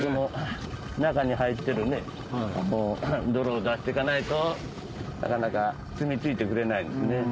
中に入ってる泥を出していかないとなかなかすみ着いてくれないんですね。